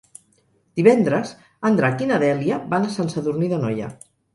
Divendres en Drac i na Dèlia van a Sant Sadurní d'Anoia.